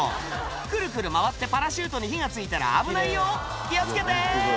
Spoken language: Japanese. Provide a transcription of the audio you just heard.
くるくる回ってパラシュートに火が付いたら危ないよ気を付けて！